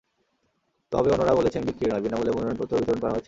তবে অন্যরা বলেছেন, বিক্রি নয়, বিনা মূল্যে মনোনয়নপত্র বিতরণ করা হয়েছে।